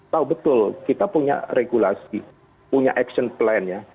tahu betul kita punya regulasi punya action plan ya